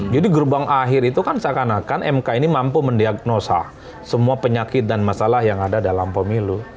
jadi gerbang akhir itu kan seakan akan mk ini mampu mendiagnosa semua penyakit dan masalah yang ada dalam pemilu